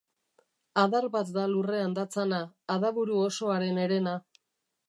Adar bat da lurrean datzana, adaburu osoaren herena.